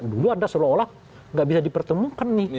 dulu anda seolah olah nggak bisa dipertemukan nih